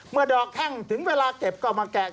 เมื่อดอกแข้งถึงเวลาเก็บก็ออกมาแกะ